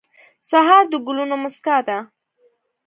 سهار د ګلونو موسکا ده.